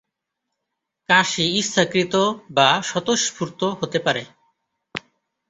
কাশি ইচ্ছাকৃত বা স্বতঃস্ফূর্ত হতে পারে।